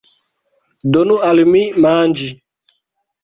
Donu al mi manĝi!